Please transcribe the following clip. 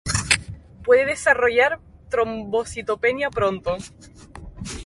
Puede desarrollar trombocitopenia pronto.